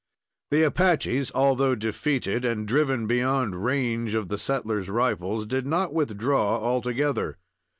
The Apaches, although defeated, and driven beyond range of the settlers' rifles, did not withdraw altogether.